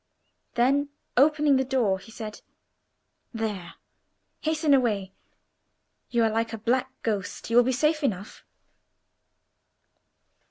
Then opening the door, he said: "There, hasten away. You are like a black ghost; you will be safe enough."